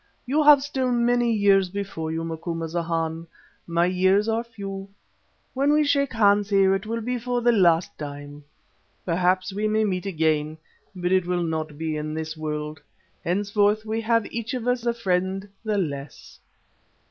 You have still many years before you, Macumazahn; my years are few. When we shake hands here it will be for the last time. Perhaps we may meet again, but it will not be in this world. Henceforth we have each of us a friend the less."